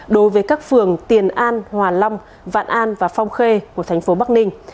đối với các phường tiền an hòa long vạn an và phong khê của thành phố bắc ninh